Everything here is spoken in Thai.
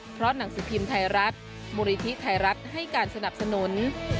เพราะหนังสิบพิมพ์ไทรรัฐมุรีทฯไทรรัฐให้การสนับสนุน